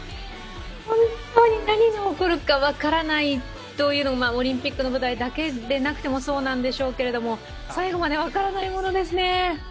本当に何が起こるか分からないというのはオリンピックの舞台だけじゃなくてもそうなんでしょうけど最後まで分からないものですね。